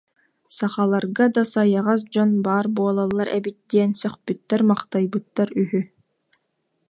Сахаларга да сайаҕас дьон баар буолаллар эбит диэн сөхпүттэр-махтайбыттар үһү